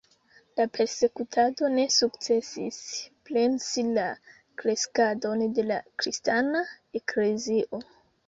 La persekutado ne sukcesis bremsi la kreskadon de la kristana eklezio.